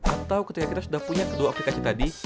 atau ketika kita sudah punya kedua aplikasi tadi